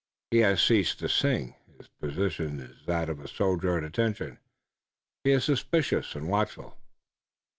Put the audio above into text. He has ceased to sing. His position is that of a soldier at attention. He is suspicious and watchful."